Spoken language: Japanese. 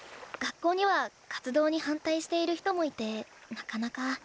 学校には活動に反対している人もいてなかなか。